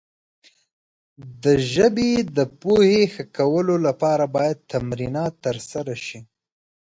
د ژبې د پوهې ښه کولو لپاره باید تمرینات ترسره شي.